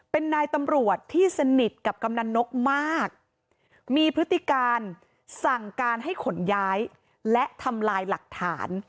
เป็นนายตำรวจที่สนิทกับกำนันนกมากมีพฤติการสั่งการให้ขนย้ายและทำลายหลักฐาน